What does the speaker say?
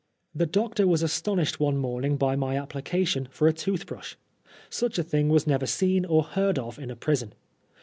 The doctor was astonished one morning by my appli cation for a tooth brush. Such a thing was never seen or heard of in a prison.